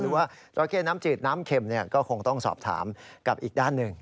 ว่าจราเข้น้ำจืดน้ำเข็มก็คงต้องสอบถามกับอีกด้านหนึ่ง